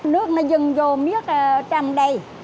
nước nó dừng vô miếng trong đây